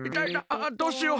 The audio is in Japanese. あっどうしよう。